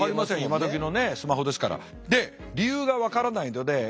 今どきのスマホですから。